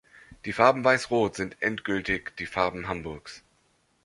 Die Farben weiß-rot sind endgültig die Farben Hamburgs.